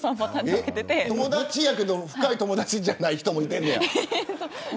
友達だけど深い友達じゃない人もいるんだ。